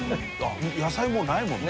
野菜もうないもんね。